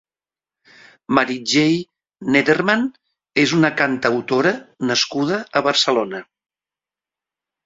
Meritxell Neddermann és una cantautora nascuda a Barcelona.